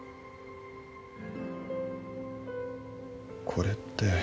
「これって」